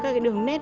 các cái đường nét